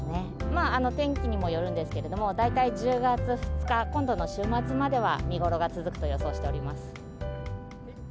まあ天気にもよるんですけれども、大体１０月２日、今度の週末までは、見頃が続くと予想しています。